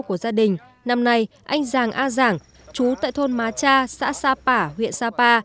của gia đình năm nay anh giang a giang chú tại thôn má cha xã sapa huyện sapa